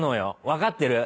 分かってる？